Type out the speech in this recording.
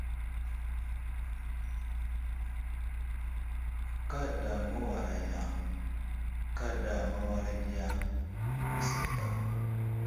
Gaɗa mə́wara ya, gaɗa mə́wara ɗiya nəsər daw.